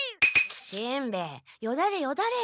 しんべヱよだれよだれ。